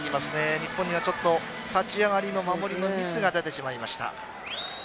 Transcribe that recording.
日本にちょっと立ち上がりの守りにミスが出てしまいました。